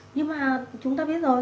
nhưng mà chúng ta biết rồi